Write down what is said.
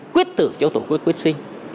quyết tử cho tổ quốc quyết sinh